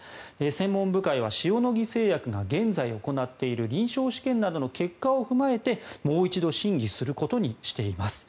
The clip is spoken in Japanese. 専門部会は塩野義製薬が現在行っている臨床試験などの結果を踏まえてもう一度審議することにしています。